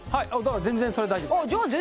全然それ大丈夫ですじゃあ